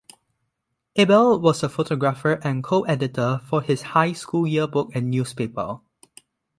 Abell was the photographer and co-editor for his high school yearbook and newspaper.